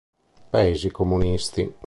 Paesi comunisti